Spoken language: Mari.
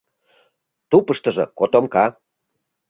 Тупыштыжо — котомка.